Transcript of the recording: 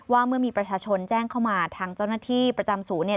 ว่าเมื่อมีประชาชนแจ้งเข้ามาทางเจ้าหน้าที่ประจำศูนย์เนี่ย